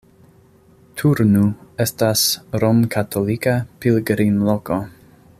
Turnu estas romkatolika pilgrimloko.